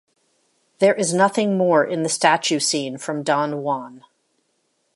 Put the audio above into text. There is nothing more in the statue scene from Don Juan.